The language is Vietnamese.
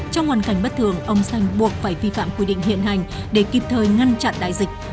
trong hoàn cảnh bất thường ông xanh buộc phải vi phạm quy định hiện hành để kịp thời ngăn chặn đại dịch